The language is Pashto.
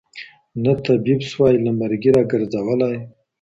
نه طبیب سوای له مرګي را ګرځولای